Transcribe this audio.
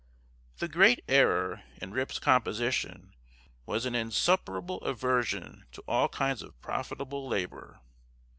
The great error in Rip's composition was an insuperable aversion to all kinds of profitable labor.